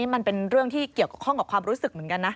มันเป็นเรื่องที่เกี่ยวข้องกับความรู้สึกเหมือนกันนะ